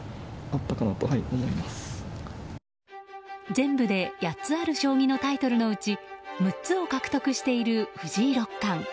全部で８つある将棋のタイトルのうち６つを獲得している藤井六冠。